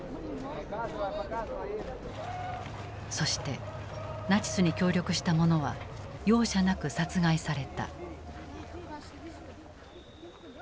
そしてナチスに協力したものは容赦なく殺害された。